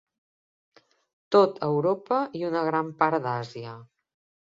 Tot Europa i una gran part d'Àsia.